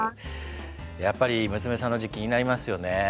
やっぱり娘さんの字気になりますよね。